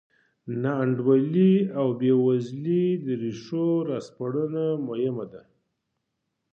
ناانډولۍ او بېوزلۍ د ریښو راسپړنه مهمه ده.